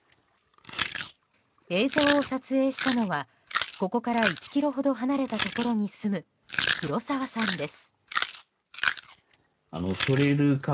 映像を撮影したのはここから１ｋｍほど離れたところに住む黒澤さんです。